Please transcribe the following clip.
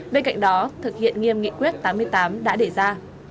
bên cạnh đó thực hiện nghiêm nghị quyết tám mươi tám đã để ra